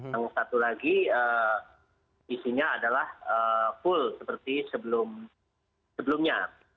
dan satu lagi isinya adalah full seperti sebelumnya